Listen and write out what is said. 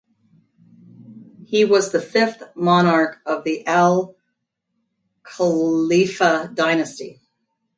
He was the fifth monarch of the Al Khalifa dynasty.